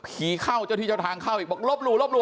เข้าเจ้าที่เจ้าทางเข้าอีกบอกลบหลู่ลบหล